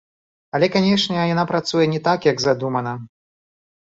Але, канечне, яна працуе не так, як задумана.